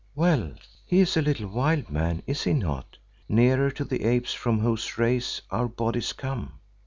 Well, he is a little wild man, is he not, nearer to the apes from whose race our bodies come?